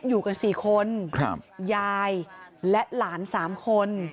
อยู่กัน๔คนยายและหลาน๓คน